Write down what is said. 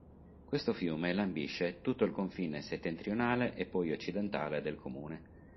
Questo fiume lambisce tutto il confine settentrionale e poi occidentale del comune.